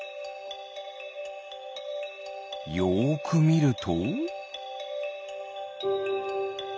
よくみると？